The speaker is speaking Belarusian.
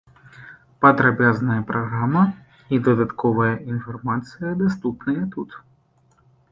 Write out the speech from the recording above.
Падрабязная праграма і дадатковая інфармацыя даступныя тут.